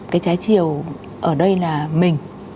cái trái chiều ở đây là mình